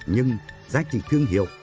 nhưng giá trị thương hiệu